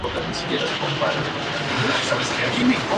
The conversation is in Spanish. Zapruder establece su propia compañía de ropas de mujer.